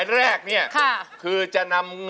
ร้องได้ให้ร้อง